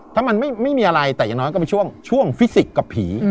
ถ้ามันไม่มีอะไรแต่อย่างน้อยก็เป็นช่วงฟิสิกส์กับผี